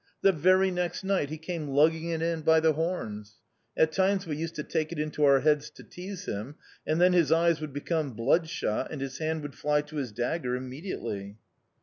The very next night he came lugging it in by the horns! At times we used to take it into our heads to tease him, and then his eyes would become bloodshot and his hand would fly to his dagger immediately.